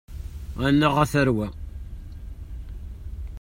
Annaɣ, a tarwa!